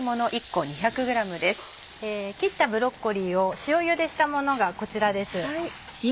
切ったブロッコリーを塩ゆでしたものがこちらです。